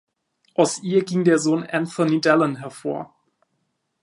Aus ihr ging der Sohn Anthony Delon hervor.